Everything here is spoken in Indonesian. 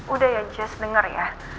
udah ya just dengar ya